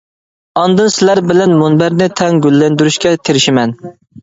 ئاندىن سىلەر بىلەن مۇنبەرنى تەڭ گۈللەندۈرۈشكە تىرىشىمەن.